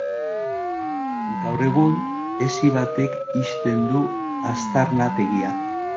Gaur egun, hesi batek ixten du aztarnategia.